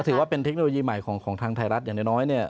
ถือว่าเป็นเทคโนโลยีใหม่ของทางไทยรัฐอย่างน้อยเนี่ย